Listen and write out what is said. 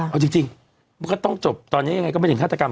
เอาจริงมันก็ต้องจบตอนนี้ยังไงก็ไม่ถึงฆาตกรรม